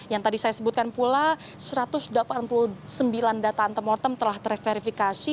yang tadi saya sebutkan pula satu ratus delapan puluh sembilan data antemortem telah terverifikasi